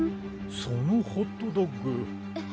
そのホットドッグえっ？